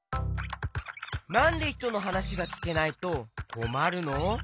なんでひとのはなしがきけないとこまるの？